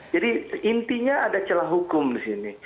jadi intinya ada celah hukum disini